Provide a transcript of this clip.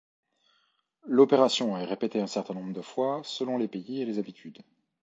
L'opération est répétée un certain nombre de fois selon les pays et les habitudes.